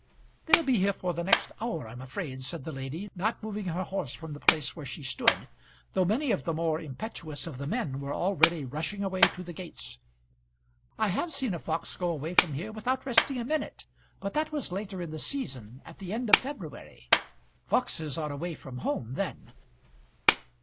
"They'll be here for the next hour, I'm afraid," said the lady, not moving her horse from the place where she stood, though many of the more impetuous of the men were already rushing away to the gates. "I have seen a fox go away from here without resting a minute; but that was later in the season, at the end of February. Foxes are away from home then."